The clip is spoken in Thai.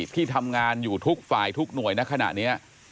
ที่ทำงานอยู่ทุกฝ่ายทุกหน่วยในขณะนี้